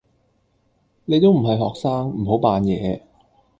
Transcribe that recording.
你都唔係學生，唔好扮野